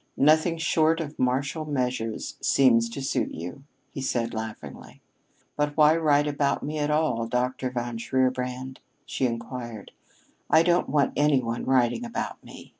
"Nothing short of martial measures seems to suit you," he said laughingly. "But why write about me at all, Dr. von Shierbrand?" she inquired. "I don't want any one writing about me.